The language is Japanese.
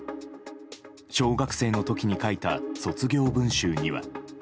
小学生の時に書いた卒業文集には。